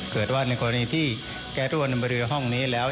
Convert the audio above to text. เกิดว่าในความนี้ที่แก๊สทุกวันนึงไปด้วยห้องนี้แล้ว